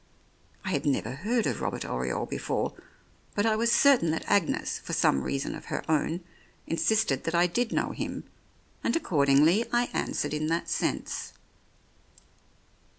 I had never heard of Robert Oriole before, but I was certain that Aenes for some reason of her own insisted that I did know him, and accordingly I answered in that sense.